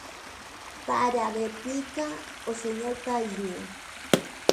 Para a réplica, o señor Paíño.